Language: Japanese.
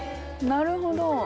なるほど。